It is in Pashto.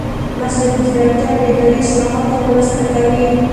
مصنوعي ځیرکتیا د اداري اصلاحاتو مرسته کوي.